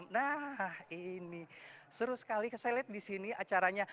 nah ini seru sekali saya lihat di sini acaranya